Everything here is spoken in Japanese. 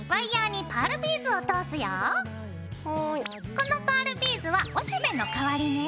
このパールビーズは雄しべの代わりね。